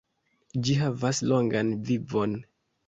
Ĝi havas longan vivon.